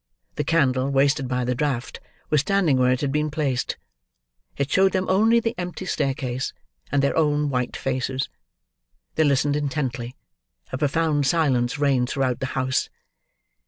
The candle, wasted by the draught, was standing where it had been placed. It showed them only the empty staircase, and their own white faces. They listened intently: a profound silence reigned throughout the house.